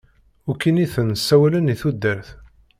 Akk initen ssawalen i tudert.